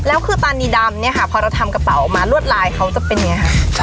แล้วคือตานีดำเนี่ยค่ะพอเราทำกระเป๋าออกมารวดลายเขาจะเป็นยังไงคะ